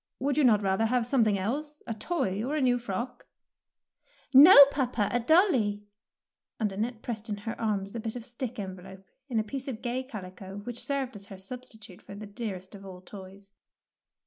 Would you not rather have something else, a toy or a new frock ?'^" No, papa, a dolly "; and Annette pressed in her arms the bit of stick enveloped in a piece of gay calico which served her as a substitute for the dearest of all toys.